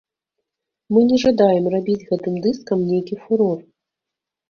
Мы не жадаем рабіць гэтым дыскам нейкі фурор.